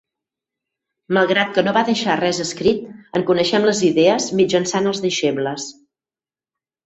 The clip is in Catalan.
Malgrat que no va deixar res escrit, en coneixem les idees mitjançant els deixebles.